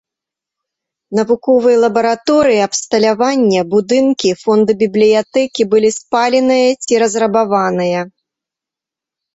Навуковыя лабараторыі, абсталяванне, будынкі, фонды бібліятэкі былі спаленыя ці разрабаваныя.